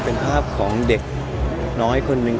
เป็นภาพของเด็กน้อยคนหนึ่ง